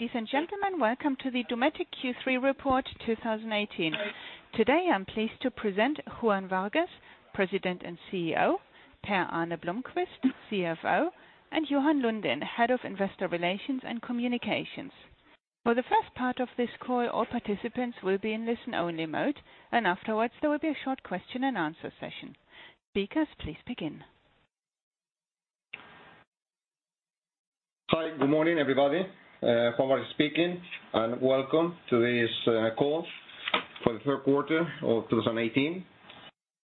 Ladies and gentlemen, welcome to the Dometic Q3 report 2018. Today, I'm pleased to present Juan Vargues, President and CEO, Per-Arne Blomquist, CFO, and Johan Lundin, Head of Investor Relations and Communications. For the first part of this call, all participants will be in listen-only mode. Afterwards, there will be a short question and answer session. Speakers, please begin. Hi. Good morning, everybody. Juan Vargues speaking. Welcome to this call for the third quarter of 2018.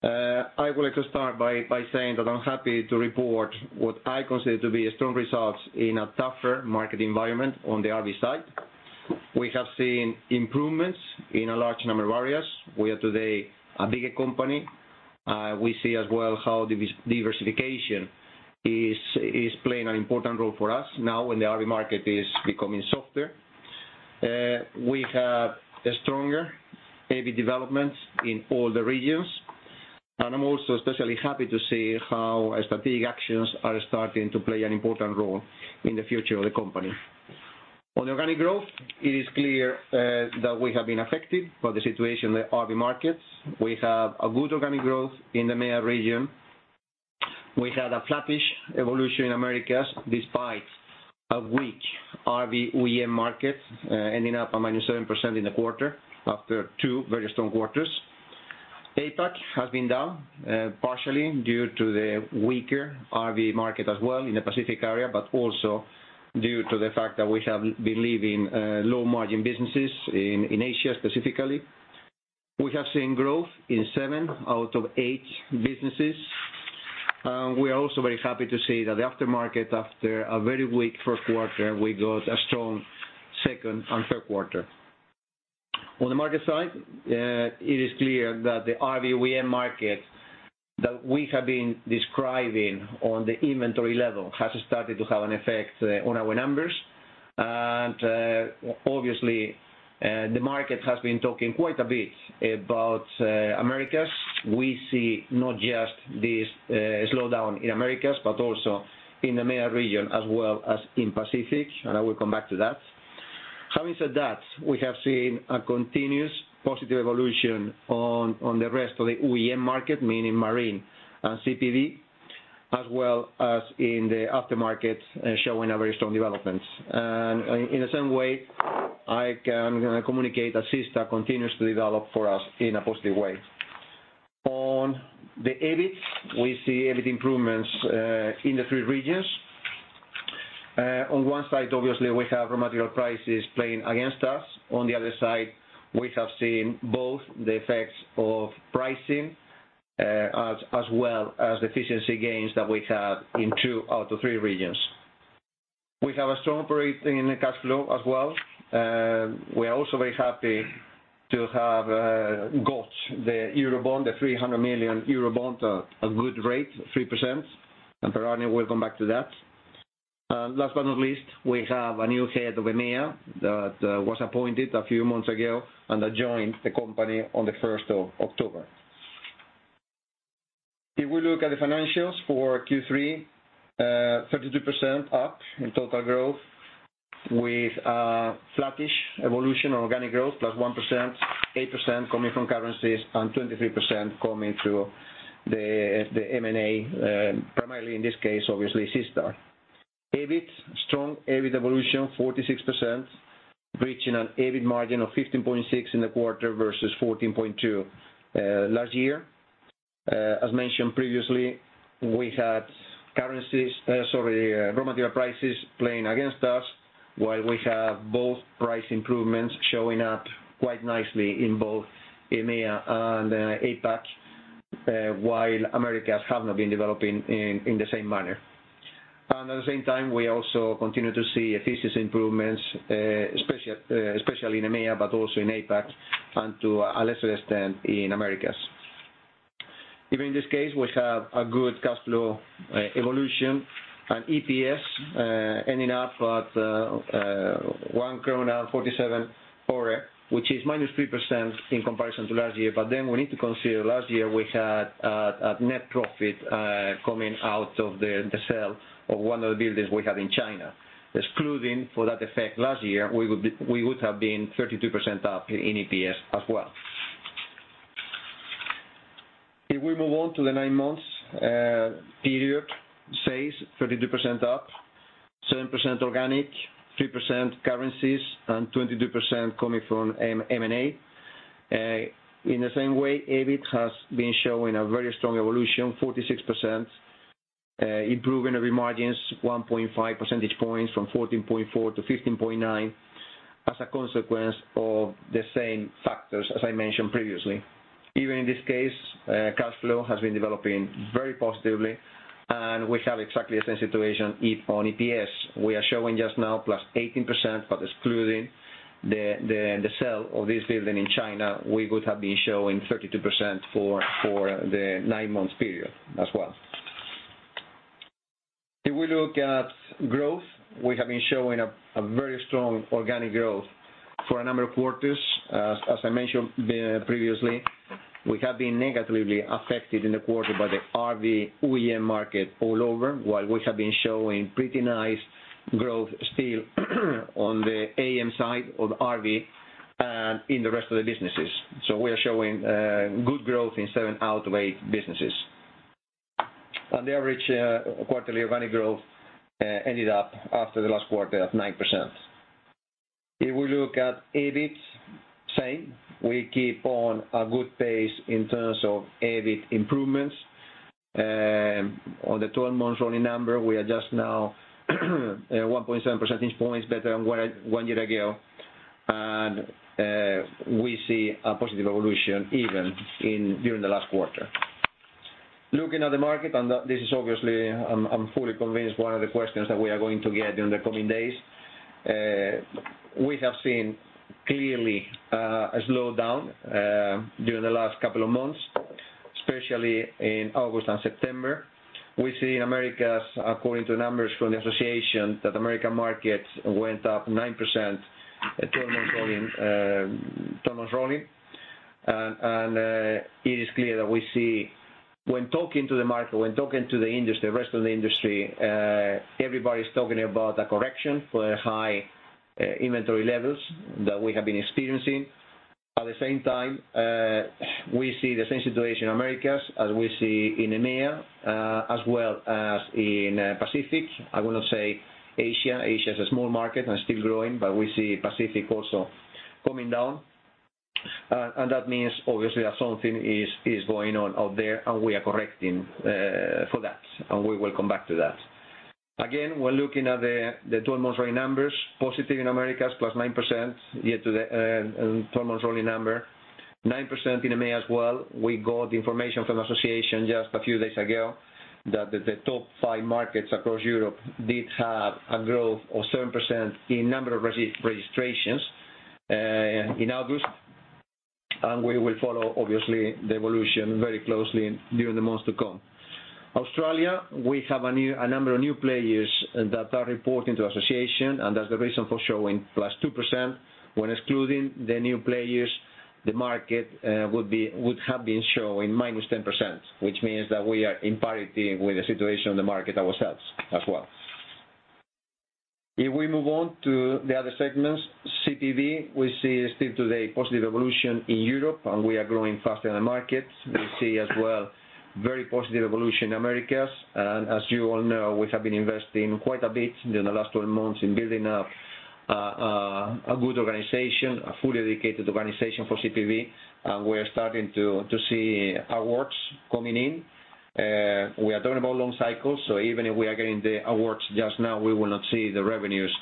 I would like to start by saying that I'm happy to report what I consider to be strong results in a tougher market environment on the RV side. We have seen improvements in a large number of areas. We are today a bigger company. We see as well how diversification is playing an important role for us now when the RV market is becoming softer. We have stronger EBIT developments in all the regions. I'm also especially happy to see how strategic actions are starting to play an important role in the future of the company. On organic growth, it is clear that we have been affected by the situation in the RV markets. We have a good organic growth in the EMEA region. We had a flattish evolution in Americas despite a weak RV OEM market, ending up at -7% in the quarter after two very strong quarters. APAC has been down, partially due to the weaker RV market as well in the Pacific area, but also due to the fact that we have been leaving low-margin businesses in Asia, specifically. We have seen growth in seven out of eight businesses. We are also very happy to see that the aftermarket, after a very weak first quarter, we got a strong second and third quarter. On the market side, it is clear that the RV OEM market that we have been describing on the inventory level has started to have an effect on our numbers. Obviously, the market has been talking quite a bit about Americas. We see not just this slowdown in Americas, but also in the EMEA region as well as in Pacific. I will come back to that. Having said that, we have seen a continuous positive evolution on the rest of the OEM market, meaning Marine and CPV, as well as in the aftermarket showing a very strong development. In the same way, I can communicate that SeaStar continues to develop for us in a positive way. On the EBIT, we see EBIT improvements in the three regions. On one side, obviously, we have raw material prices playing against us. On the other side, we have seen both the effects of pricing as well as efficiency gains that we have in two out of three regions. We have a strong operating cash flow as well. We are also very happy to have got the Eurobond, the 300 million Eurobond, a good rate, 3%, and Per-Arne will come back to that. Last but not least, we have a new head of EMEA that was appointed a few months ago and that joined the company on the 1st of October. If we look at the financials for Q3, 32% up in total growth, with a flattish evolution on organic growth, +1%, 8% coming from currencies, and 23% coming through the M&A, primarily in this case, obviously, SeaStar. EBIT, strong EBIT evolution, 46%, reaching an EBIT margin of 15.6% in the quarter versus 14.2% last year. As mentioned previously, we had raw material prices playing against us while we have both price improvements showing up quite nicely in both EMEA and APAC while Americas have not been developing in the same manner. At the same time, we also continue to see efficiency improvements, especially in EMEA, but also in APAC and to a lesser extent in Americas. Even in this case, we have a good cash flow evolution and EPS ending up at 1.47, which is -3% in comparison to last year. We need to consider last year, we had a net profit coming out of the sale of one of the buildings we have in China. Excluding for that effect last year, we would have been 32% up in EPS as well. If we move on to the nine months period, sales 32% up, 7% organic, 3% currencies, and 22% coming from M&A. In the same way, EBIT has been showing a very strong evolution, 46%, improving our margins 1.5 percentage points from 14.4% to 15.9% as a consequence of the same factors as I mentioned previously. Even in this case, cash flow has been developing very positively, we have exactly the same situation on EPS. We are showing just now +18%, excluding the sale of this building in China, we would have been showing 32% for the nine-month period as well. If we look at growth, we have been showing a very strong organic growth for a number of quarters, as I mentioned previously, we have been negatively affected in the quarter by the RV OEM market all over, while we have been showing pretty nice growth still on the AM side of RV and in the rest of the businesses. We are showing good growth in seven out of eight businesses. The average quarterly organic growth ended up after the last quarter at 9%. If we look at EBIT, same. We keep on a good pace in terms of EBIT improvements. On the 12 months rolling number, we are just now 1.7 percentage points better than one year ago. We see a positive evolution even during the last quarter. Looking at the market, this is obviously, I'm fully convinced, one of the questions that we are going to get in the coming days. We have seen clearly a slowdown during the last couple of months, especially in August and September. We see in Americas, according to numbers from the association, that American markets went up 9% 12 months rolling. It is clear that we see when talking to the market, when talking to the rest of the industry, everybody's talking about a correction for high inventory levels that we have been experiencing. At the same time, we see the same situation in Americas as we see in EMEA, as well as in Pacific. I will not say Asia. Asia is a small market and still growing, but we see Pacific also coming down. That means obviously that something is going on out there, and we are correcting for that, and we will come back to that. Again, we're looking at the 12-month rolling numbers, positive in Americas, +9% year to the 12-month rolling number. 9% in EMEA as well. We got information from association just a few days ago that the top five markets across Europe did have a growth of 7% in number of registrations in August. We will follow, obviously, the evolution very closely during the months to come. Australia, we have a number of new players that are reporting to association, and that's the reason for showing +2%. When excluding the new players, the market would have been showing -10%, which means that we are in parity with the situation in the market ourselves as well. If we move on to the other segments, CPV, we see still today positive evolution in Europe. We are growing faster than the market. We see as well very positive evolution in Americas. As you all know, we have been investing quite a bit during the last 12 months in building up a good organization, a fully dedicated organization for CPV, and we're starting to see awards coming in. We are talking about long cycles, so even if we are getting the awards just now, we will not see the revenues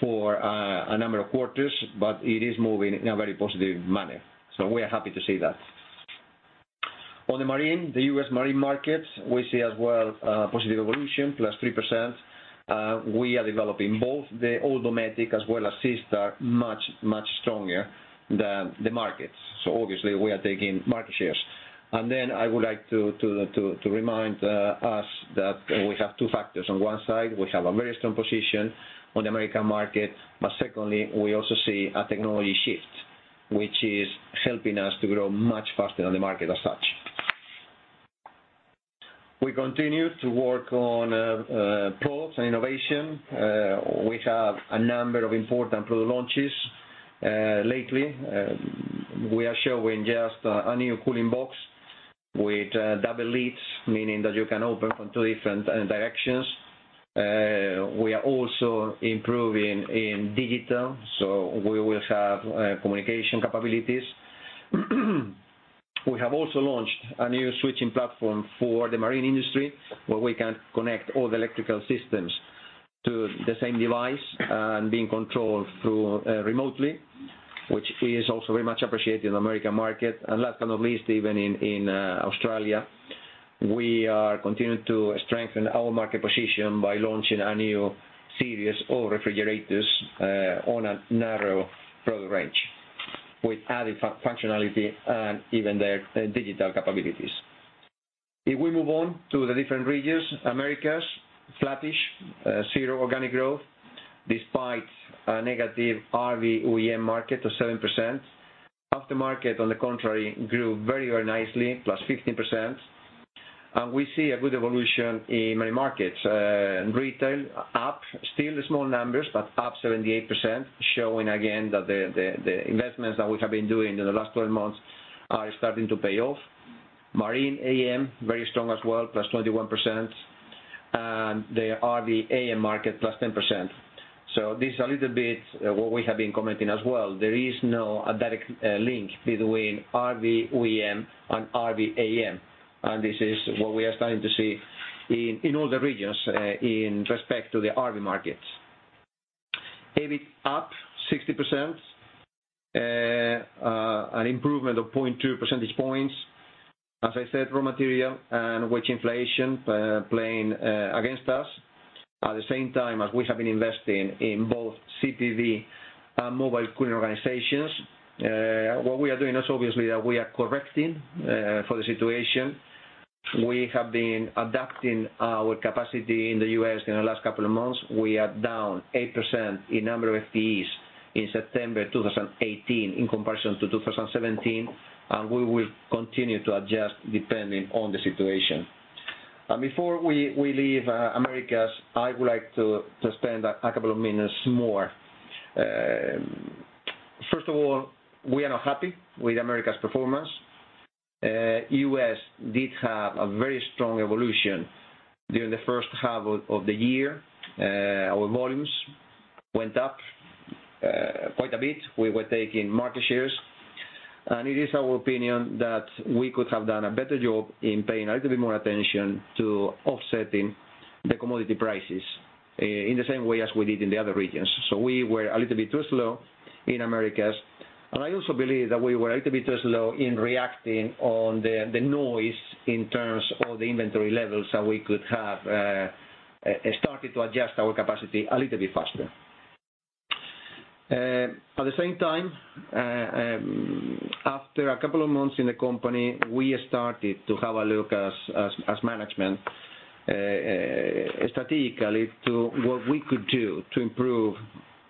for a number of quarters, but it is moving in a very positive manner. We are happy to see that. On the Marine, the U.S. Marine markets, we see as well a positive evolution, +3%. We are developing both the old Dometic as well as SeaStar much, much stronger than the markets. Obviously, we are taking market shares. Then I would like to remind us that we have two factors. On one side, we have a very strong position on the U.S. market, but secondly, we also see a technology shift, which is helping us to grow much faster than the market as such. We continue to work on products and innovation. We have a number of important product launches lately. We are showing just a new cooling box with double lids, meaning that you can open from two different directions. We are also improving in digital. We will have communication capabilities. We have also launched a new switching platform for the Marine industry, where we can connect all the electrical systems to the same device and being controlled remotely, which is also very much appreciated in U.S. market. Last but not least, even in Australia, we are continuing to strengthen our market position by launching a new series of refrigerators on a narrow product range with added functionality and even their digital capabilities. If we move on to the different regions. Americas, flattish, zero organic growth, despite a negative RV OEM market of 7%. Aftermarket, on the contrary, grew very nicely, +15%. We see a good evolution in many markets. Retail up, still small numbers, but up 78%, showing again that the investments that we have been doing in the last 12 months are starting to pay off. Marine AM, very strong as well, +21%. The RV AM market, +10%. This is a little bit what we have been commenting as well. There is no direct link between RV OEM and RV AM, and this is what we are starting to see in all the regions in respect to the RV markets. EBIT up 60%, an improvement of 0.2 percentage points. As I said, raw material and wage inflation playing against us. At the same time as we have been investing in both CPV and mobile cooling organizations. What we are doing is obviously that we are correcting for the situation. We have been adapting our capacity in the U.S. in the last couple of months. We are down 8% in number of FTEs in September 2018 in comparison to 2017, and we will continue to adjust depending on the situation. Before we leave Americas, I would like to spend a couple of minutes more. First of all, we are not happy with America's performance. U.S. did have a very strong evolution during the first half of the year. Our volumes went up quite a bit. We were taking market shares. It is our opinion that we could have done a better job in paying a little bit more attention to offsetting the commodity prices, in the same way as we did in the other regions. We were a little bit too slow in Americas, and I also believe that we were a little bit too slow in reacting on the noise in terms of the inventory levels that we could have started to adjust our capacity a little bit faster. At the same time, after a couple of months in the company, we started to have a look as management, strategically to what we could do to improve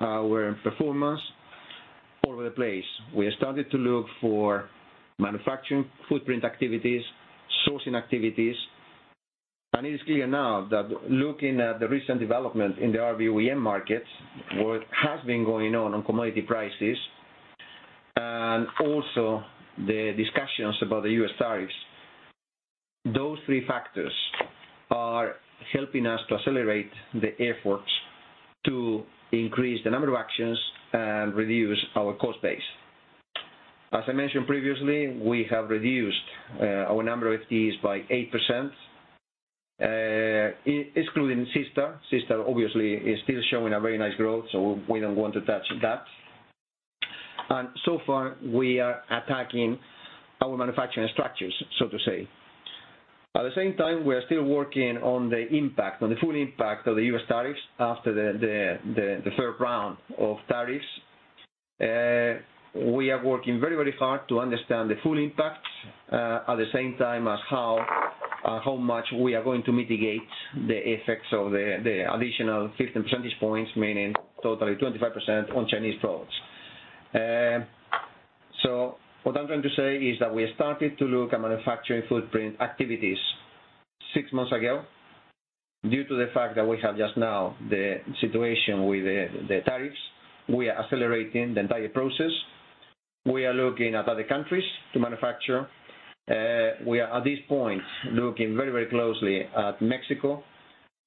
our performance all over the place. We started to look for manufacturing footprint activities, sourcing activities, it is clear now that looking at the recent development in the RV OEM markets, what has been going on commodity prices, and also the discussions about the U.S. tariffs. Those three factors are helping us to accelerate the efforts to increase the number of actions and reduce our cost base. As I mentioned previously, we have reduced our number of FTEs by 8%, excluding SeaStar. SeaStar obviously is still showing a very nice growth, so we don't want to touch that. So far, we are attacking our manufacturing structures, so to say. At the same time, we are still working on the full impact of the U.S. tariffs after the third round of tariffs. We are working very hard to understand the full impact, at the same time as how much we are going to mitigate the effects of the additional 15 percentage points, meaning totally 25% on Chinese products. What I'm trying to say is that we started to look at manufacturing footprint activities 6 months ago. Due to the fact that we have just now the situation with the tariffs, we are accelerating the entire process. We are looking at other countries to manufacture. We are, at this point, looking very closely at Mexico,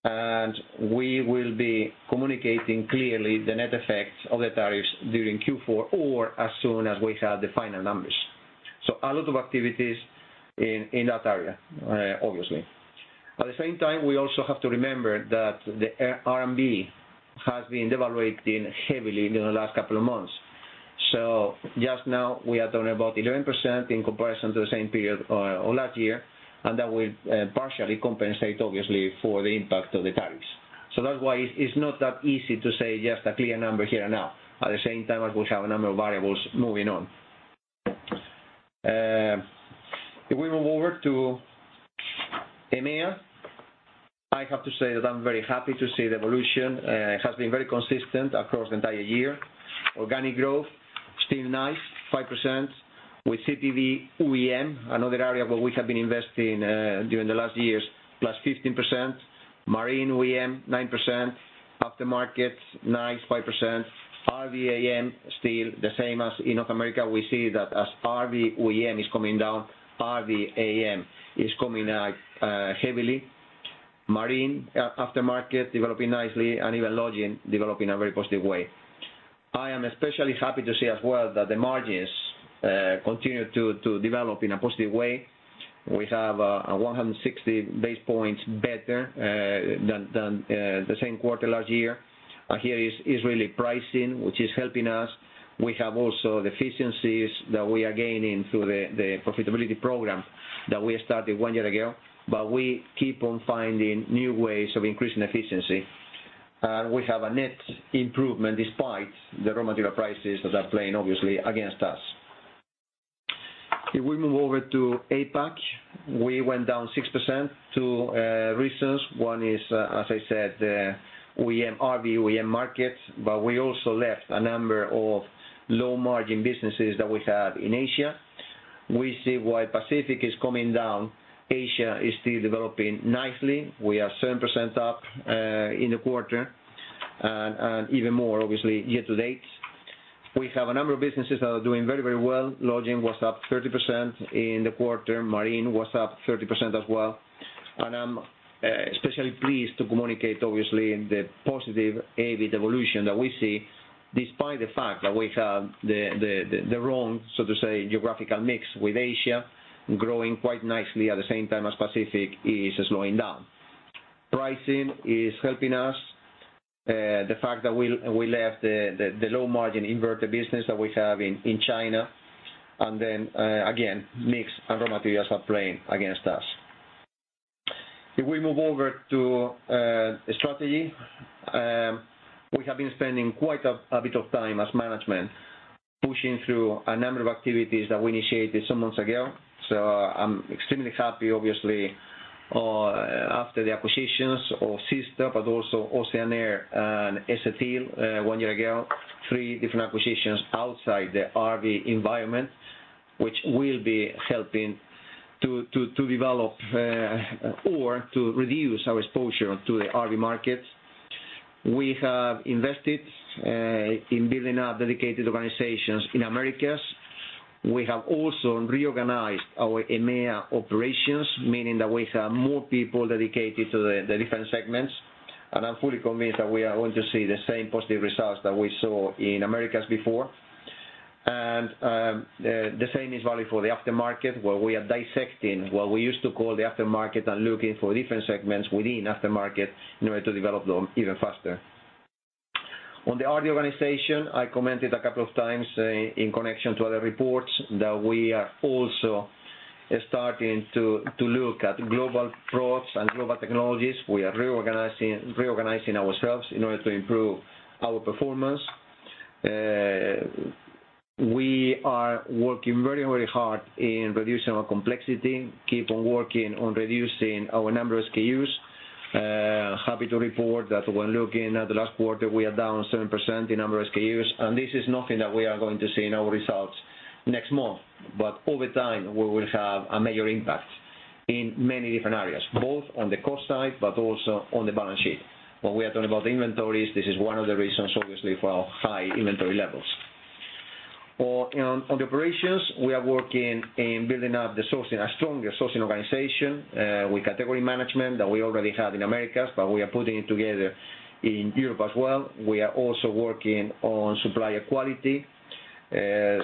and we will be communicating clearly the net effects of the tariffs during Q4 or as soon as we have the final numbers. A lot of activities in that area, obviously. At the same time, we also have the renminbi that the RMB has been devaluating heavily in the last couple of months. Just now, we are down about 11% in comparison to the same period of last year, and that will partially compensate, obviously, for the impact of the tariffs. That's why it's not that easy to say just a clear number here now. At the same time, I will have a number of variables moving on. If we move over to EMEA, I have to say that I'm very happy to see the evolution. It has been very consistent across the entire year. Organic growth, still nice, 5% with CPV OEM, another area where we have been investing during the last years, +15%. Marine OEM 9%, Aftermarket, nice 5%. RV AM, still the same as in North America. We see that as RV OEM is coming down, RV AM is coming heavily. Marine Aftermarket developing nicely and even Lodging developing in a very positive way. I am especially happy to see as well that the margins continue to develop in a positive way. We have 160 basis points better than the same quarter last year. Here is really pricing, which is helping us. We have also the efficiencies that we are gaining through the profitability program that we started one year ago, but we keep on finding new ways of increasing efficiency. We have a net improvement despite the raw material prices that are playing obviously against us. If we move over to APAC, we went down 6%. Two reasons. One is, as I said, RV OEM markets, but we also left a number of low-margin businesses that we had in Asia. We see while Pacific is coming down, Asia is still developing nicely. We are 7% up in the quarter and even more obviously year-to-date. We have a number of businesses that are doing very well. Lodging was up 30% in the quarter. Marine was up 30% as well. I'm especially pleased to communicate, obviously, the positive EBIT evolution that we see despite the fact that we have the wrong, so to say, geographical mix with Asia growing quite nicely at the same time as Pacific is slowing down. Pricing is helping us. The fact that we left the low margin inverter business that we have in China, and then again, mix and raw materials are playing against us. If we move over to strategy. We have been spending quite a bit of time as management pushing through a number of activities that we initiated some months ago. I'm extremely happy, obviously, after the acquisitions of SeaStar, but also Oceanair and Kampa one year ago. Three different acquisitions outside the RV environment, which will be helping to develop or to reduce our exposure to the RV markets. We have invested in building up dedicated organizations in Americas. We have also reorganized our EMEA operations, meaning that we have more people dedicated to the different segments, and I'm fully convinced that we are going to see the same positive results that we saw in Americas before. The same is valid for the aftermarket, where we are dissecting what we used to call the aftermarket and looking for different segments within aftermarket in order to develop them even faster. On the RV organization, I commented a couple of times in connection to other reports that we are also starting to look at global products and global technologies. We are reorganizing ourselves in order to improve our performance. We are working very hard in reducing our complexity, keep on working on reducing our number SKUs. Happy to report that when looking at the last quarter, we are down 7% in number SKUs, this is nothing that we are going to see in our results next month. Over time, we will have a major impact in many different areas, both on the cost side, but also on the balance sheet. When we are talking about inventories, this is one of the reasons, obviously, for our high inventory levels. On the operations, we are working in building up a stronger sourcing organization with category management that we already have in Americas, we are putting it together in Europe as well. We are also working on supplier quality. We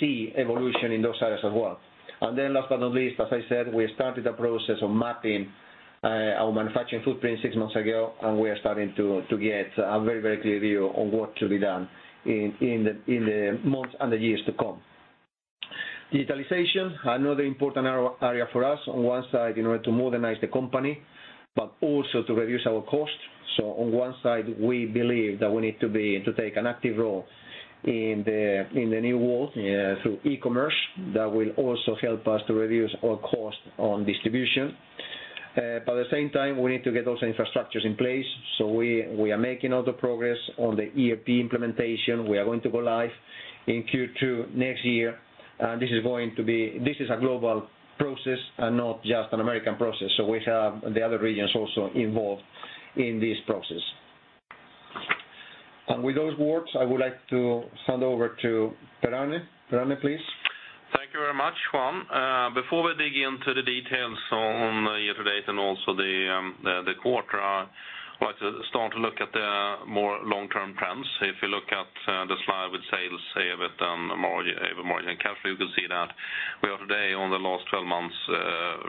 see evolution in those areas as well. Last but not least, as I said, we started a process of mapping our manufacturing footprint six months ago, we are starting to get a very clear view on what to be done in the months and the years to come. Digitalization, another important area for us on one side in order to modernize the company, but also to reduce our cost. On one side, we believe that we need to take an active role in the new world through e-commerce that will also help us to reduce our cost on distribution. At the same time, we need to get those infrastructures in place. We are making all the progress on the ERP implementation. We are going to go live in Q2 next year. This is a global process and not just an American process. We have the other regions also involved in this process. With those words, I would like to hand over to Per-Arne. Per-Arne, please. Thank you very much, Juan. Before we dig into the details on year to date and also the quarter, I'd like to start to look at the more long-term trends. If you look at the slide with sales, EBIT, and margin cash flow, you can see that we are today on the last 12 months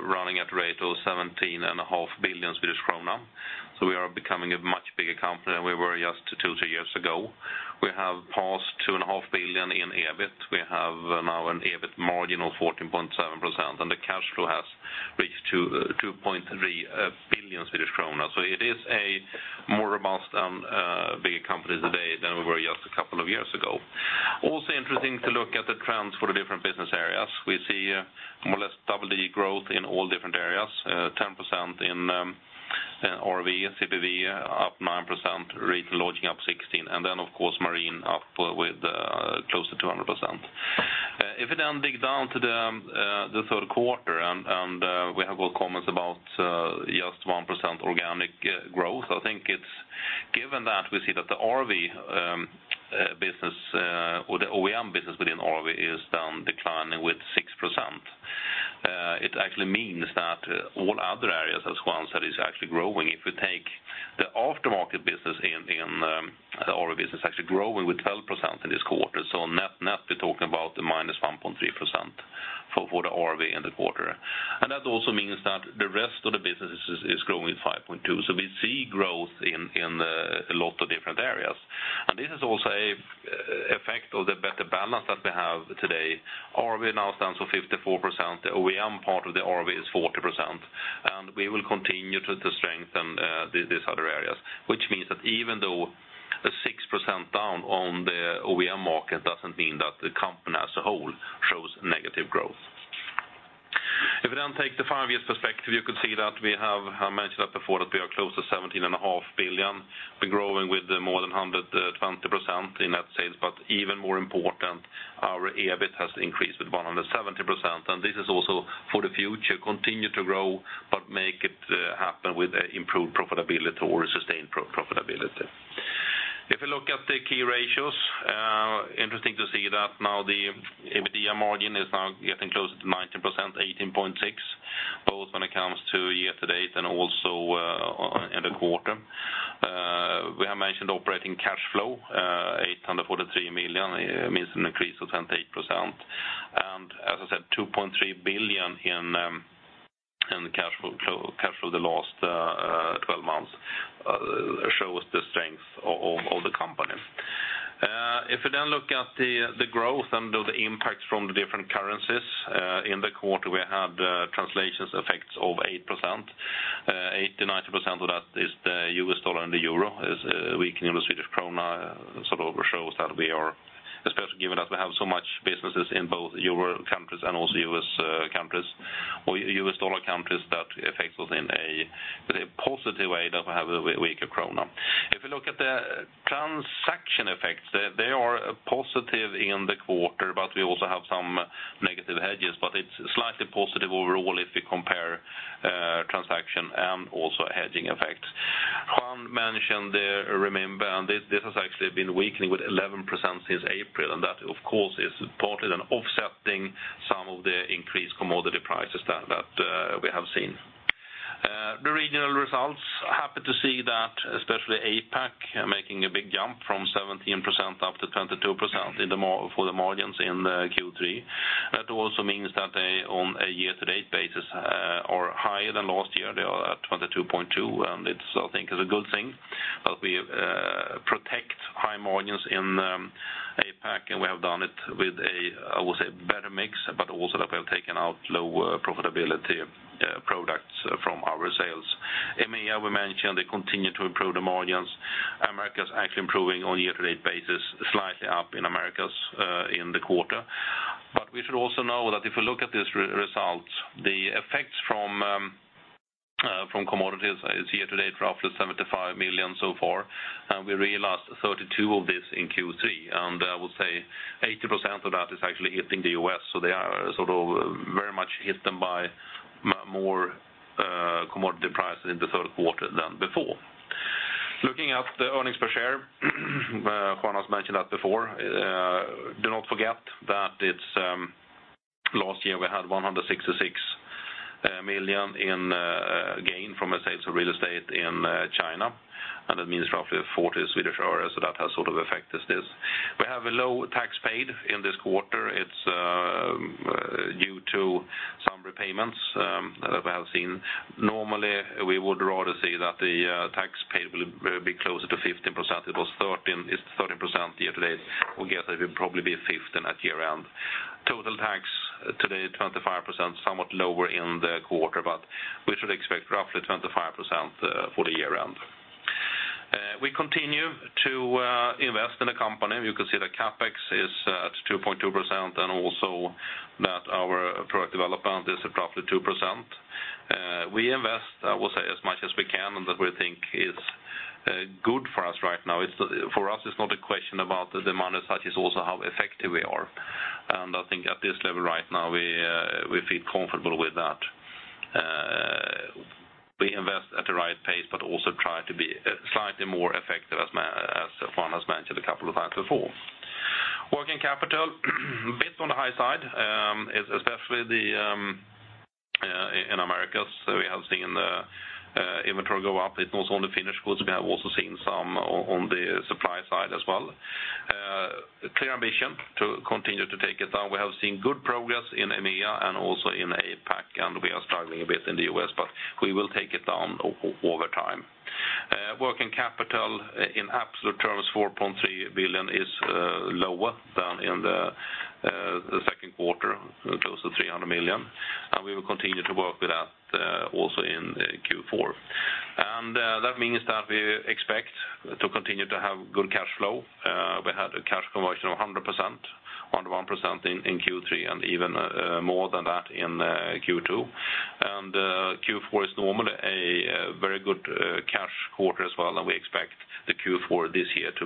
running at rate of 17.5 billion Swedish krona. We are becoming a much bigger company than we were just two, three years ago. We have passed 2.5 billion in EBIT. We have now an EBIT margin of 14.7%, and the cash flow has reached to 2.3 billion Swedish kronor. It is a more robust and bigger company today than we were just a couple of years ago. Also interesting to look at the trends for the different business areas. We see more or less double the growth in all different areas. 10% in RV, CPV up 9%, Retail and Lodging up 16%, Marine up with close to 200%. If we then dig down to the third quarter, we have comments about just 1% organic growth. I think it's given that we see that the RV business or the OEM business within RV is down declining with 6%. It actually means that all other areas, as Juan said, is actually growing. If you take the aftermarket business in the RV business, actually growing with 12% in this quarter. Net, we're talking about the -1.3% for the RV in the quarter. That also means that the rest of the businesses is growing 5.2%. We see growth in a lot of different areas. This is also a effect of the better balance that we have today. RV now stands for 54%, the OEM part of the RV is 40%, we will continue to strengthen these other areas. Which means that even though a 6% down on the OEM market doesn't mean that the company as a whole shows negative growth. If we then take the five-year perspective, you could see that we have mentioned that before, that we are close to 17.5 billion. We're growing with more than 120% in net sales, even more important, our EBIT has increased with 170%. This is also for the future, continue to grow, make it happen with improved profitability or sustained profitability. If you look at the key ratios, interesting to see that now the EBITDA margin is now getting close to 19%, 18.6%, both when it comes to year-to-date and also in the quarter. We have mentioned operating cash flow, 843 million, means an increase of 28%. As I said, 2.3 billion in cash flow the last 12 months shows the strength of the company. If you then look at the growth and the impacts from the different currencies in the quarter, we had translations effects of 8%. 80%-90% of that is the U.S. dollar, the euro is weak. The Swedish krona sort of shows that we are, especially given that we have so much businesses in both euro countries and also U.S. dollar countries, that affects us in a very positive way that we have a weaker krona. If you look at the transaction effects, they are positive in the quarter, we also have some negative hedges, it's slightly positive overall if we compare transaction and also hedging effects. Juan mentioned the renminbi, this has actually been weakening with 11% since April, that of course, is partly an offsetting some of the increased commodity prices that we have seen. The regional results. Happy to see that especially APAC making a big jump from 17% up to 22% for the margins in the Q3. That also means that they on a year-to-date basis are higher than last year. They are at 22.2%, it, I think, is a good thing that we protect high margins in APAC, we have done it with a, I would say, better mix, also that we have taken out lower profitability products from our sales. EMEA, we mentioned they continue to improve the margins. Americas actually improving on a year-to-date basis, slightly up in Americas in the quarter. We should also know that if we look at this result, the effects from commodities is year to date, roughly 75 million so far, and we realized 32 of this in Q3, and I would say 80% of that is actually hitting the U.S. They are sort of very much hit by more commodity prices in the third quarter than before. Looking at the earnings per share, Juan has mentioned that before. Do not forget that last year we had 166 million in gain from a sales of real estate in China, and that means roughly SEK 40. That has sort of affected this. We have a low tax paid in this quarter. It is due to some repayments that we have seen. Normally, we would rather see that the tax paid will be closer to 15%. It was 13%, year to date. We guess it will probably be 15 at year-end. Total tax to date, 25%, somewhat lower in the quarter, but we should expect roughly 25% for the year-end. We continue to invest in the company. You can see the CapEx is at 2.2% and also that our product development is at roughly 2%. We invest, I will say, as much as we can, and that we think is good for us right now. For us, it is not a question about the demand as such, it is also how effective we are. I think at this level right now, we feel comfortable with that. We invest at the right pace, but also try to be slightly more effective, as Juan has mentioned a couple of times before. Working capital, a bit on the high side, especially in Americas. We have seen the inventory go up. It is also on the finished goods. We have also seen some on the supply side as well. Clear ambition to continue to take it down. We have seen good progress in EMEA and also in APAC, and we are struggling a bit in the U.S., but we will take it down over time. Working capital in absolute terms, 4.3 billion is lower than in the second quarter, close to 300 million, and we will continue to work with that also in Q4. That means that we expect to continue to have good cash flow. We had a cash conversion of 100%, 101% in Q3 and even more than that in Q2. Q4 is normally a very good cash quarter as well, and we expect the Q4 this year to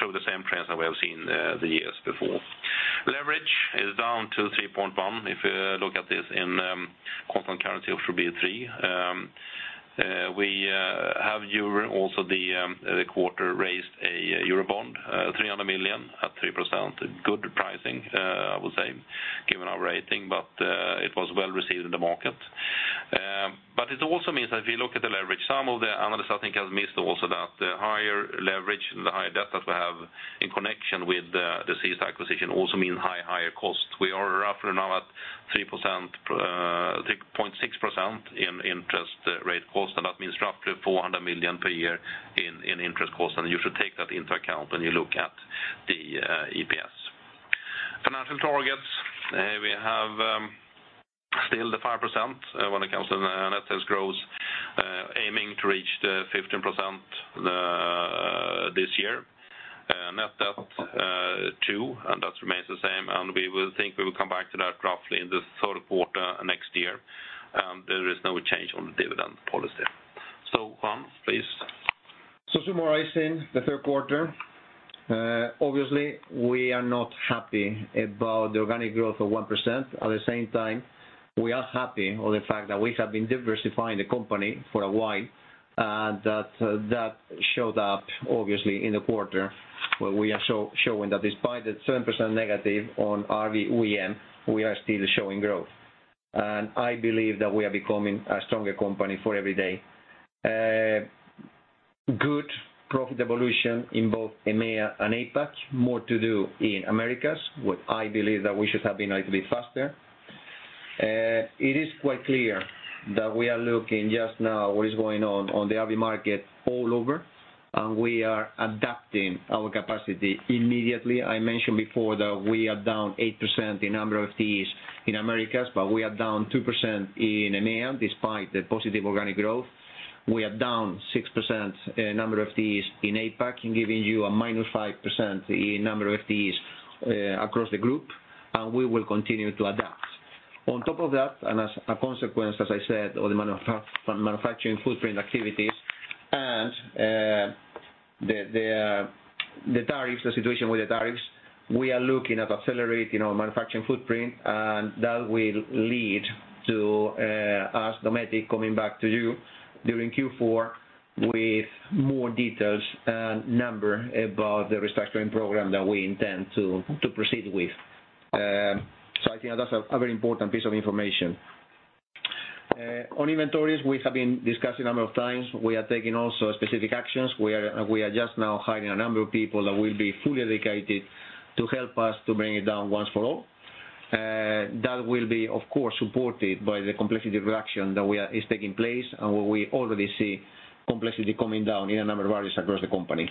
show the same trends that we have seen the years before. Leverage is down to 3.1. If you look at this in constant currency of 3.3. We have EUR also the quarter raised a Eurobond 300 million at 3%. Good pricing, I would say, given our rating, but it was well received in the market. It also means that if you look at the leverage, some of the analysts I think have missed also that the higher leverage, the higher debt that we have in connection with the SeaStar acquisition also mean higher cost. We are roughly now at 3.6% in interest rate cost, and that means roughly 400 million per year in interest cost. You should take that into account when you look at the EPS. Financial targets. We have still the 5% when it comes to the net sales growth, aiming to reach the 15% this year. Net debt 2, and that remains the same. We think we will come back to that roughly in the third quarter next year. There is no change on the dividend policy. Juan, please. Summarizing the third quarter. Obviously, we are not happy about the organic growth of 1%. At the same time, we are happy of the fact that we have been diversifying the company for a while, and that showed up obviously in the quarter where we are showing that despite the 7% negative on RV OEM, we are still showing growth. I believe that we are becoming a stronger company every day. Good profit evolution in both EMEA and APAC. More to do in Americas, what I believe that we should have been a little bit faster. It is quite clear that we are looking just now what is going on the RV market all over, and we are adapting our capacity immediately. I mentioned before that we are down 8% in number of FTEs in Americas, but we are down 2% in EMEA, despite the positive organic growth. We are down 6% number of FTEs in APAC and giving you a minus 5% in number of FTEs across the group, and we will continue to adapt. On top of that, and as a consequence, as I said, all the manufacturing footprint activities and the situation with the tariffs, we are looking at accelerating our manufacturing footprint, and that will lead to us, Dometic, coming back to you during Q4 with more details and number about the restructuring program that we intend to proceed with. I think that's a very important piece of information. On inventories, we have been discussing a number of times. We are taking also specific actions. We are just now hiring a number of people that will be fully dedicated to help us to bring it down once for all. That will be, of course, supported by the complexity reduction that is taking place and where we already see complexity coming down in a number of areas across the company.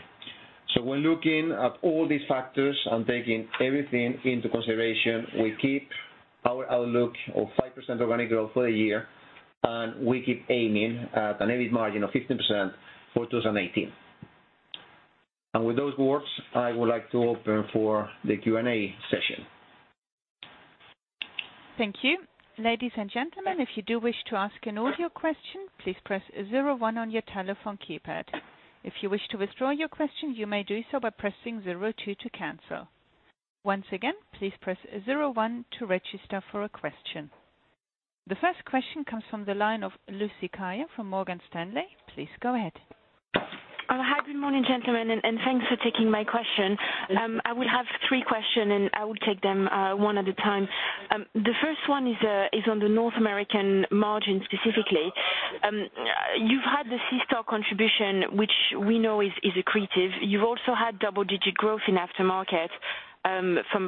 When looking at all these factors and taking everything into consideration, we keep our outlook of 5% organic growth for the year, and we keep aiming at an EBIT margin of 15% for 2018. With those words, I would like to open for the Q&A session. Thank you. Ladies and gentlemen, if you do wish to ask an audio question, please press 01 on your telephone keypad. If you wish to withdraw your question, you may do so by pressing 02 to cancel. Once again, please press 01 to register for a question. The first question comes from the line of Lucie Carrier from Morgan Stanley. Please go ahead. Hi, good morning, gentlemen, and thanks for taking my question. I will have three question, and I will take them one at a time. The first one is on the North American margin specifically. You've had the SeaStar contribution, which we know is accretive. You've also had double-digit growth in aftermarket,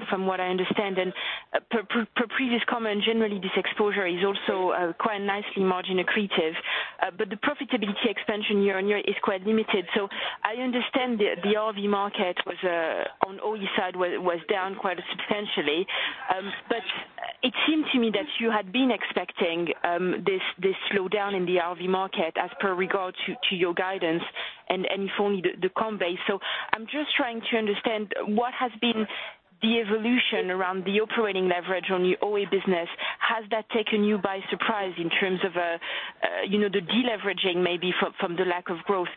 from what I understand. Per previous comment, generally, this exposure is also quite nicely margin accretive. The profitability expansion year-on-year is quite limited. I understand the RV market on OE side was down quite substantially. It seemed to me that you had been expecting this slowdown in the RV market as per regard to your guidance and for the comp base. I'm just trying to understand what has been the evolution around the operating leverage on your OE business. Has that taken you by surprise in terms of the deleveraging maybe from the lack of growth?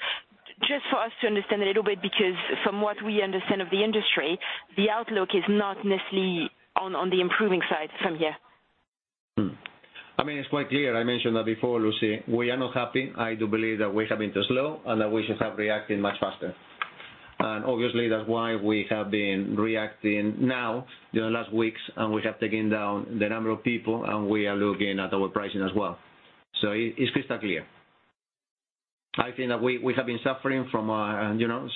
Just for us to understand a little bit, because from what we understand of the industry, the outlook is not necessarily on the improving side from here. It's quite clear. I mentioned that before, Lucie. We are not happy. I do believe that we have been too slow, and that we should have reacted much faster. Obviously, that's why we have been reacting now during the last weeks, and we have taken down the number of people, and we are looking at our pricing as well. It's crystal clear. I think that we have been suffering from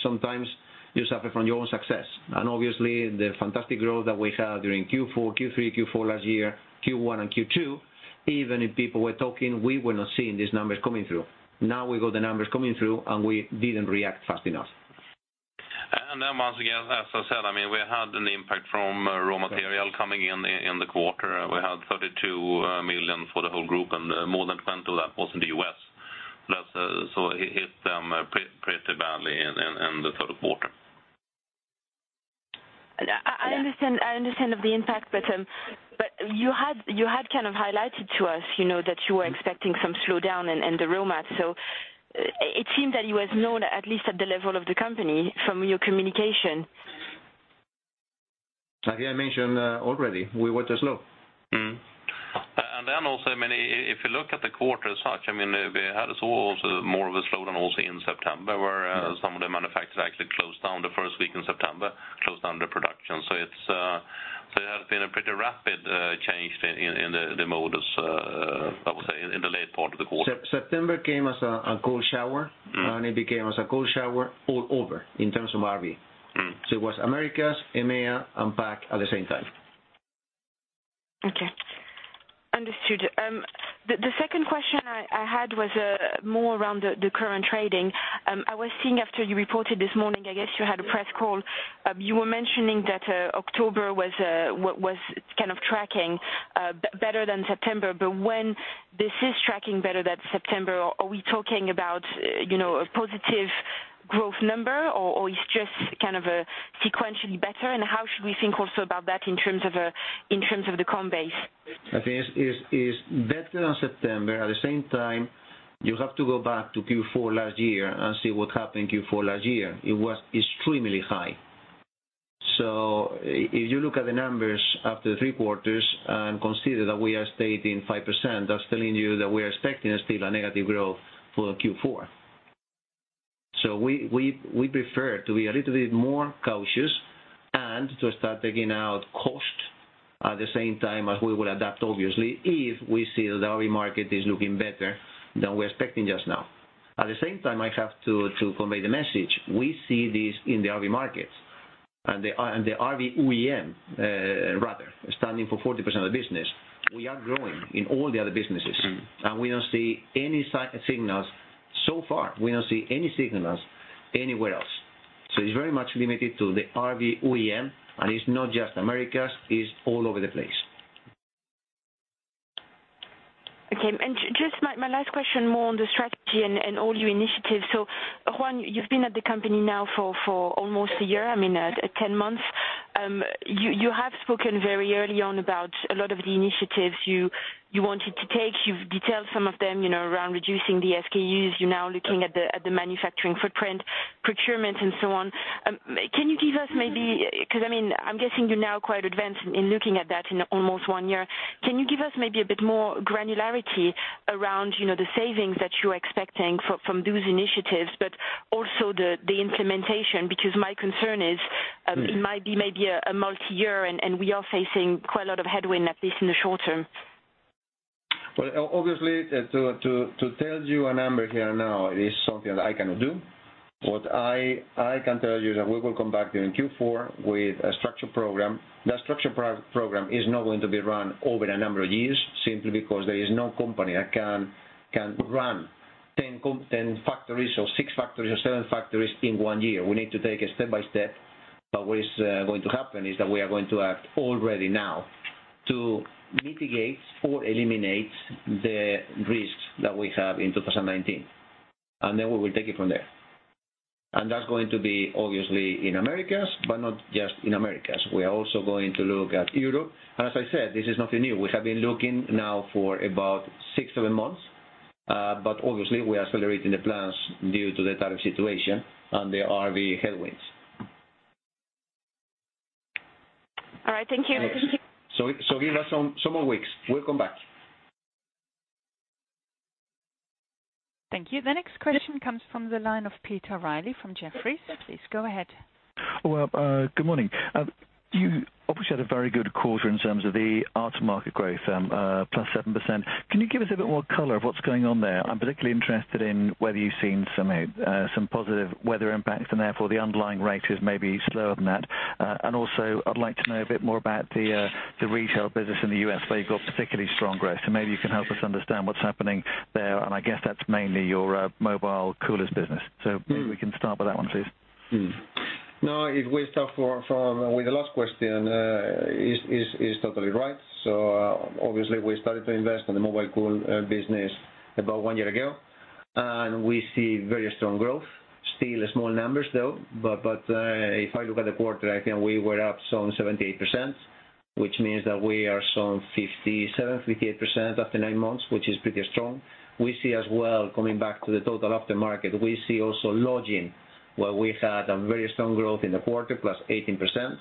Sometimes you suffer from your own success. Obviously, the fantastic growth that we had during Q3, Q4 last year, Q1 and Q2, even if people were talking, we were not seeing these numbers coming through. Now we got the numbers coming through, and we didn't react fast enough. Once again, as I said, we had an impact from raw material coming in the quarter. We had 32 million for the whole group, and more than 20 million of that was in the U.S. It hit them pretty badly in the third quarter. I understand of the impact, but you had kind of highlighted to us that you were expecting some slowdown in the raw mats. It seemed that it was known at least at the level of the company from your communication. Like I mentioned already, we were too slow. Also, if you look at the quarter as such, we had also more of a slowdown also in September, where some of the manufacturers actually closed down the first week in September, closed down their production. It has been a pretty rapid change in the modus, I would say, in the late part of the quarter. September came as a cold shower, it became as a cold shower all over in terms of RV. It was Americas, EMEA, and APAC at the same time. Okay. Understood. The second question I had was more around the current trading. I was seeing after you reported this morning, I guess you had a press call. You were mentioning that October was kind of tracking better than September. When this is tracking better than September, are we talking about a positive growth number, or it's just kind of sequentially better? How should we think also about that in terms of the comp base? I think it's better than September. At the same time, you have to go back to Q4 last year and see what happened Q4 last year. It was extremely high. If you look at the numbers after three quarters and consider that we are stating 5%, that's telling you that we are expecting still a negative growth for Q4. We prefer to be a little bit more cautious and to start taking out cost at the same time as we will adapt, obviously, if we see the RV market is looking better than we are expecting just now. At the same time, I have to convey the message. We see this in the RV market. The RV OEM rather standing for 40% of the business. We are growing in all the other businesses. We don't see any signals so far. We don't see any signals anywhere else. It's very much limited to the RV OEM, it's not just Americas, it's all over the place. Okay. Just my last question more on the strategy and all your initiatives. Juan, you've been at the company now for almost a year, I mean, 10 months. You have spoken very early on about a lot of the initiatives you wanted to take. You've detailed some of them around reducing the SKUs. You're now looking at the manufacturing footprint, procurement and so on. Can you give us maybe, because I'm guessing you're now quite advanced in looking at that in almost one year, a bit more granularity around the savings that you're expecting from those initiatives, but also the implementation? Because my concern is. Yes It might be maybe a multi-year and we are facing quite a lot of headwind, at least in the short term. Obviously, to tell you a number here now is something that I cannot do. What I can tell you that we will come back during Q4 with a structure program. That structure program is not going to be run over a number of years, simply because there is no company that can run 10 factories or six factories or seven factories in one year. We need to take it step by step. What is going to happen is that we are going to act already now to mitigate or eliminate the risks that we have in 2019. We will take it from there. That's going to be obviously in Americas, but not just in Americas. We are also going to look at Europe. As I said, this is nothing new. We have been looking now for about six, seven months. Obviously we are accelerating the plans due to the tariff situation and the RV headwinds. All right. Thank you. Give us some more weeks. We'll come back. Thank you. The next question comes from the line of Peter Reilly from Jefferies. Please go ahead. Well, good morning. You obviously had a very good quarter in terms of the RV market growth, plus 7%. Can you give us a bit more color of what's going on there? I'm particularly interested in whether you've seen some positive weather impacts and therefore the underlying rate is maybe slower than that. I'd like to know a bit more about the retail business in the U.S. where you've got particularly strong growth. I guess that's mainly your mobile coolers business. Maybe we can start with that one, please. No, if we start with the last question, is totally right. Obviously we started to invest in the mobile cool business about one year ago, and we see very strong growth. Still small numbers though, but if I look at the quarter, I think we were up some 78%, which means that we are some 57, 58% after nine months, which is pretty strong. We see as well, coming back to the total aftermarket. We see also Lodging where we had a very strong growth in the quarter, +18%.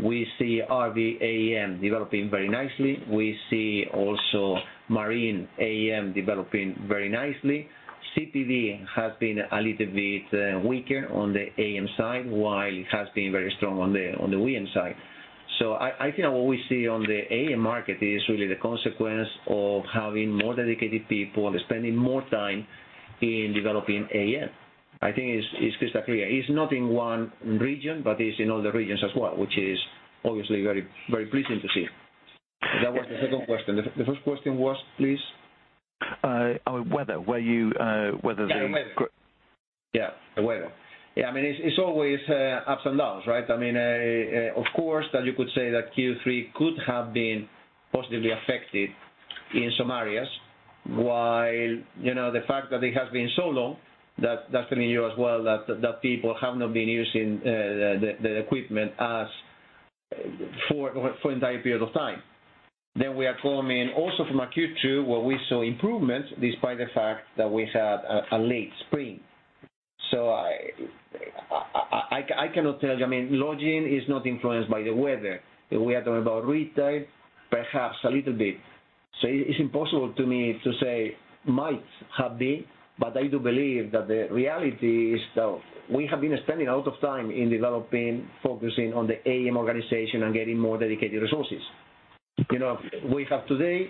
We see RV AM developing very nicely. We see also Marine AM developing very nicely. CPV has been a little bit weaker on the AM side, while it has been very strong on the OEM side. I think what we see on the AM market is really the consequence of having more dedicated people and spending more time in developing AM. I think it's crystal clear. It's not in one region, but it's in all the regions as well, which is obviously very pleasing to see. That was the second question. The first question was, please? Weather. The weather. The weather. It's always ups and downs, right? Of course, that you could say that Q3 could have been positively affected in some areas while the fact that it has been so long, that's telling you as well that people have not been using the equipment as for entire period of time. We are coming also from a Q2 where we saw improvements despite the fact that we had a late spring. I cannot tell you. Lodging is not influenced by the weather. If we are talking about Retail, perhaps a little bit. It's impossible to me to say might have been, but I do believe that the reality is that we have been spending a lot of time in developing, focusing on the AM organization and getting more dedicated resources. We have today,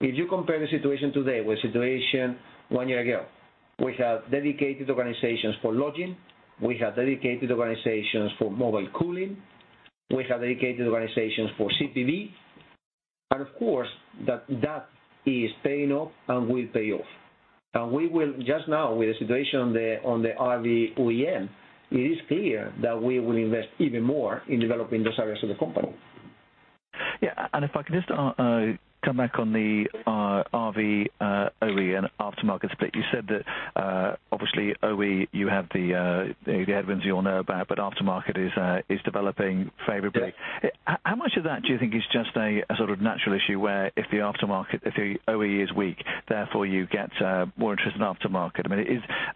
if you compare the situation today with situation one year ago. We have dedicated organizations for Lodging. We have dedicated organizations for mobile cooling. We have dedicated organizations for CPV. Of course that is paying off and will pay off. We will just now with the situation on the RV OEM, it is clear that we will invest even more in developing those areas of the company. Yeah. If I could just come back on the RV OE and aftermarket split. You said that obviously OE, you have the headwinds you all know about, aftermarket is developing favorably. Yes. How much of that do you think is just a sort of natural issue where if the OE is weak, therefore you get more interest in aftermarket?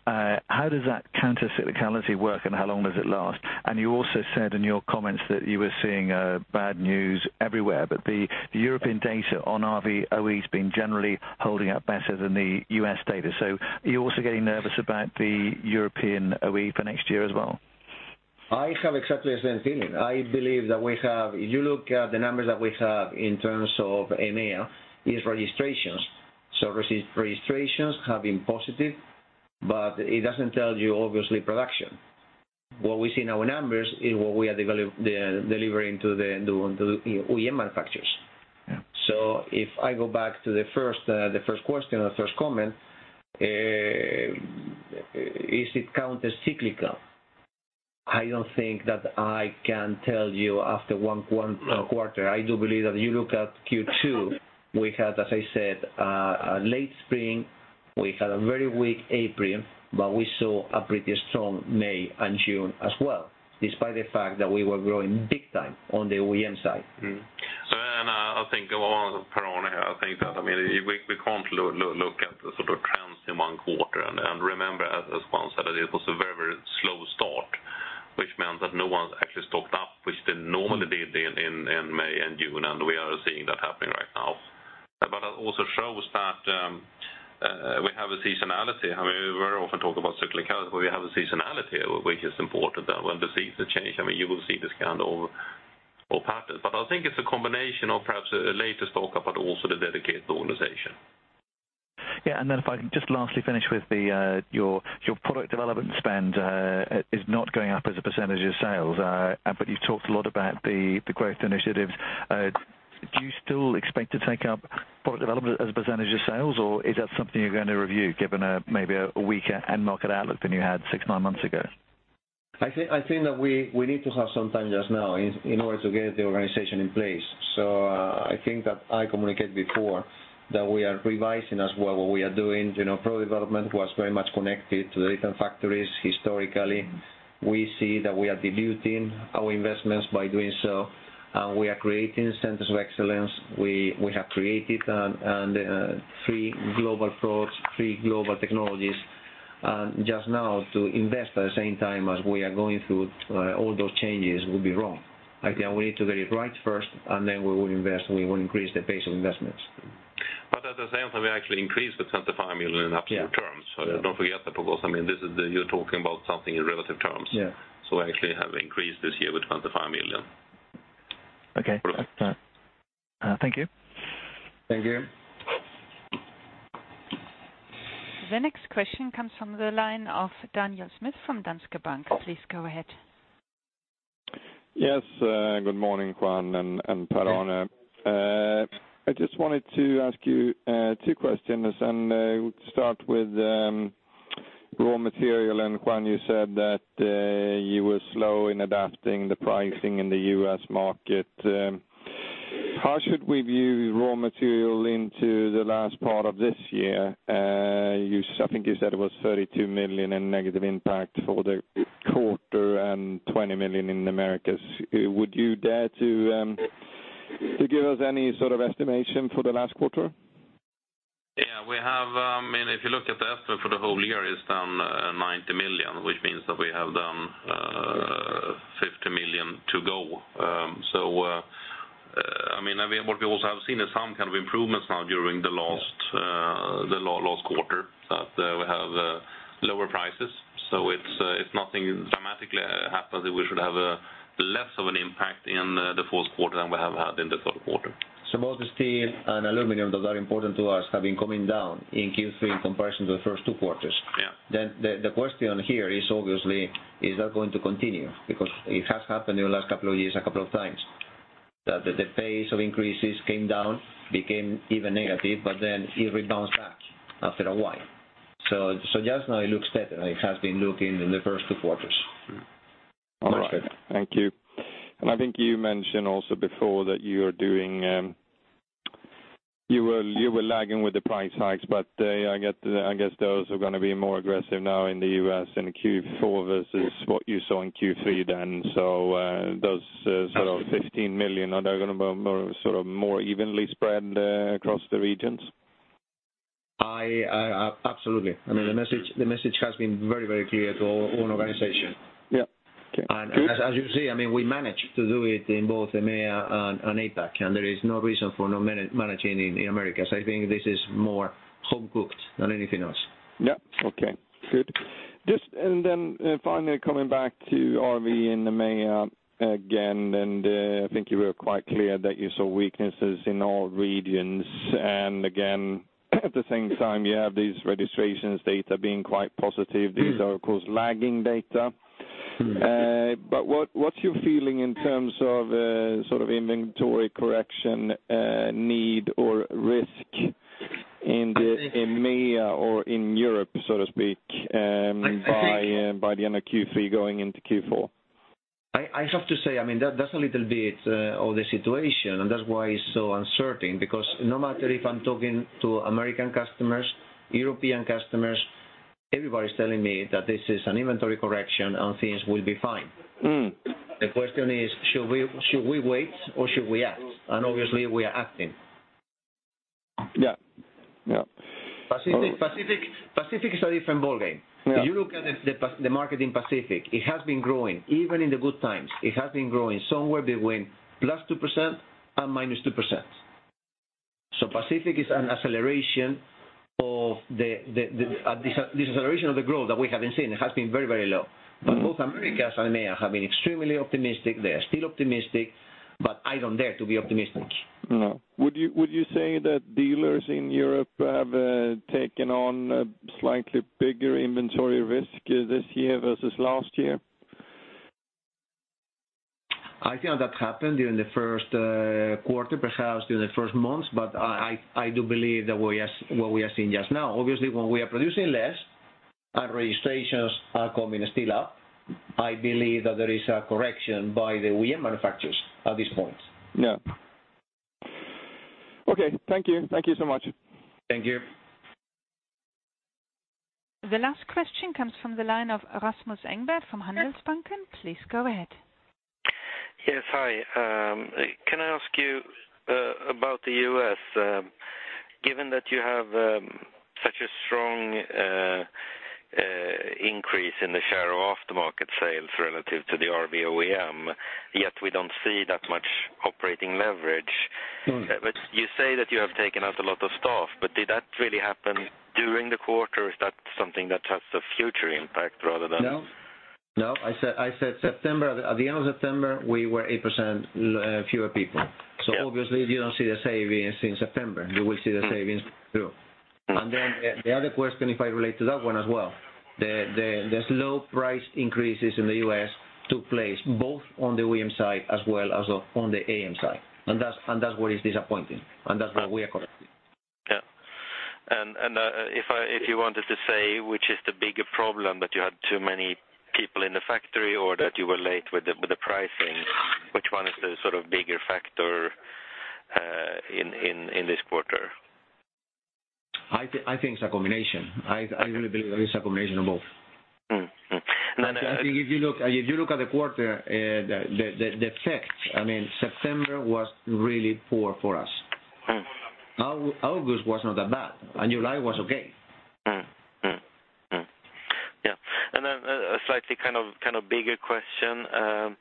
How does that countercyclicality work and how long does it last? You also said in your comments that you were seeing bad news everywhere, the European data on RV OEs being generally holding up better than the U.S. data. Are you also getting nervous about the European OE for next year as well? I have exactly the same feeling. I believe that if you look at the numbers that we have in terms of EMEA, is registrations. Registrations have been positive. It doesn't tell you, obviously, production. What we see in our numbers is what we are delivering to the OEM manufacturers. Yeah. If I go back to the first question or first comment, is it countercyclical? I don't think that I can tell you after one quarter. I do believe that you look at Q2, we had, as I said, a late spring. We had a very weak April, but we saw a pretty strong May and June as well, despite the fact that we were growing big time on the OEM side. I think Per-Arne here, I think that we can't look at the sort of trends in one quarter. Remember, as Juan said, it was a very slow start, which meant that no one's actually stocked up, which they normally did in May and June, and we are seeing that happening right now. That also shows that we have a seasonality. We very often talk about cyclicality, but we have a seasonality which is important that when the season change, you will see this kind of pattern. I think it's a combination of perhaps a later stock up, but also the dedicated organization. Yeah. If I can just lastly finish with your product development spend is not going up as a percentage of sales. You've talked a lot about the growth initiatives. Do you still expect to take up product development as a percentage of sales, or is that something you're going to review given maybe a weaker end market outlook than you had six, nine months ago? I think that we need to have some time just now in order to get the organization in place. I think that I communicate before that we are revising as well what we are doing. Product development was very much connected to the recent factories historically. We see that we are diluting our investments by doing so, and we are creating centers of excellence. We have created three global products, three global technologies. Just now to invest at the same time as we are going through all those changes would be wrong. I think we need to get it right first, and then we will invest, and we will increase the pace of investments. At the same time, we actually increased to 25 million in absolute terms. Yeah. Don't forget that because you're talking about something in relative terms. Yeah. Actually have increased this year with 25 million. Okay. Thank you. Thank you. The next question comes from the line of Daniel Schmidt from Danske Bank. Please go ahead. Yes, good morning, Juan and Per-Arne. I just wanted to ask you two questions. To start with raw material. Juan, you said that you were slow in adapting the pricing in the U.S. market. How should we view raw material into the last part of this year? I think you said it was $32 million in negative impact for the quarter and $20 million in Americas. Would you dare to give us any sort of estimation for the last quarter? If you look at the estimate for the whole year, it's down $90 million, which means that we have down $50 million to go. What we also have seen is some kind of improvements now during the last quarter that we have lower prices, so if nothing dramatically happens, we should have less of an impact in the fourth quarter than we have had in the third quarter. Both the steel and aluminum that are important to us have been coming down in Q3 in comparison to the first two quarters. Yeah. The question here is obviously, is that going to continue? Because it has happened in the last couple of years a couple of times. That the pace of increases came down, became even negative, but then it rebounds back after a while. Just now it looks better than it has been looking in the first two quarters. All right. Thank you. I think you mentioned also before that you were lagging with the price hikes, but I guess those are going to be more aggressive now in the U.S. in Q4 versus what you saw in Q3 then. Those sort of 15 million, are they going to be more evenly spread across the regions? Absolutely. The message has been very clear to our own organization. Yeah. Okay. As you see, we managed to do it in both EMEA and APAC, and there is no reason for not managing in the Americas. I think this is more home cooked than anything else. Yeah. Okay, good. Just finally coming back to RV in the EMEA again, I think you were quite clear that you saw weaknesses in all regions. Again, at the same time, you have these registrations data being quite positive. These are, of course, lagging data. What's your feeling in terms of inventory correction need or risk in the EMEA or in Europe, so to speak, by the end of Q3 going into Q4? I have to say, that's a little bit of the situation, and that's why it's so uncertain, because no matter if I'm talking to American customers, European customers, everybody's telling me that this is an inventory correction and things will be fine. The question is, should we wait or should we act? Obviously, we are acting. Yeah. Pacific is a different ballgame. Yeah. If you look at the market in Pacific, it has been growing even in the good times. It has been growing somewhere between +2% and -2%. Pacific is an acceleration of the growth that we haven't seen. It has been very low. Both Americas and EMEA have been extremely optimistic. They are still optimistic, but I don't dare to be optimistic. No. Would you say that dealers in Europe have taken on a slightly bigger inventory risk this year versus last year? I think that happened during the first quarter, perhaps during the first months. I do believe that what we are seeing just now, obviously, when we are producing less and registrations are coming still up, I believe that there is a correction by the OEM manufacturers at this point. No. Okay. Thank you. Thank you so much. Thank you. The last question comes from the line of Rasmus Engberg from Handelsbanken. Please go ahead. Yes, hi. Can I ask you about the U.S.? Given that you have such a strong increase in the share of aftermarket sales relative to the RV OEM, yet we don't see that much operating leverage. You say that you have taken out a lot of staff, but did that really happen during the quarter, or is that something that has the future impact rather than. No. I said at the end of September we were 8% fewer people. Yeah. Obviously you don't see the savings in September. You will see the savings through. The other question, if I relate to that one as well, the slow price increases in the U.S. took place both on the OEM side as well as on the AM side, and that's what is disappointing and that's what we are correcting. Yeah. If you wanted to say which is the bigger problem, that you had too many people in the factory or that you were late with the pricing, which one is the sort of bigger factor in this quarter? I think it's a combination. I really believe that it's a combination of both. No. I think if you look at the quarter, the effect, September was really poor for us. August was not that bad, July was okay. Mm. Yeah. Then a slightly kind of bigger question.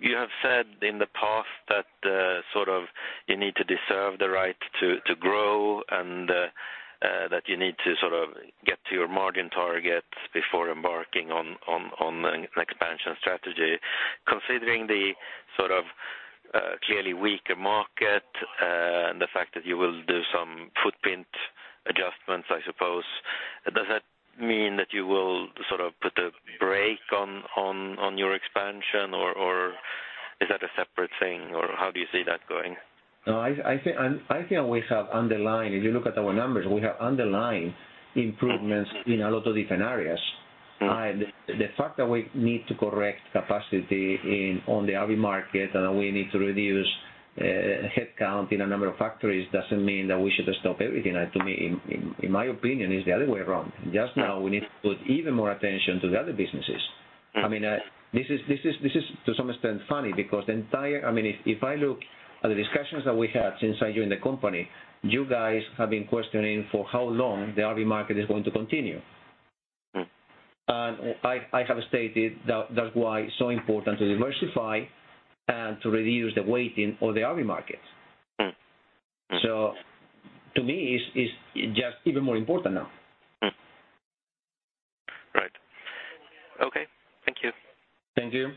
You have said in the past that sort of you need to deserve the right to grow and that you need to sort of get to your margin targets before embarking on an expansion strategy. Considering the sort of clearly weaker market, and the fact that you will do some footprint adjustments, I suppose, does that mean that you will sort of put a brake on your expansion, or is that a separate thing, or how do you see that going? No, I think we have underlying, if you look at our numbers, we have underlying improvements in a lot of different areas. The fact that we need to correct capacity on the RV market and we need to reduce headcount in a number of factories doesn't mean that we should stop everything. To me, in my opinion, it's the other way around. Just now we need to put even more attention to the other businesses. This is to some extent funny because if I look at the discussions that we had since I joined the company, you guys have been questioning for how long the RV market is going to continue. I have stated that that's why it's so important to diversify and to reduce the weighting of the RV markets. To me, it's just even more important now. Right. Okay. Thank you. Thank you.